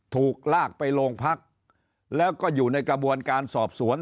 ถูกลากไปโรงพักแล้วก็อยู่ในกระบวนการสอบสวน